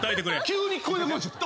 急に聞こえなくなっちゃった。